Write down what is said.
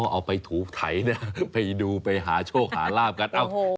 เอาไปถูกไถนะไปดูไปหาโชคหาลาบกัน